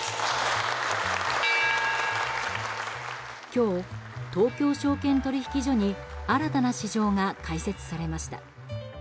今日、東京証券取引所に新たな市場が開設されました。